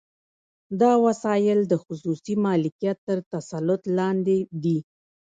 دا وسایل د خصوصي مالکیت تر تسلط لاندې دي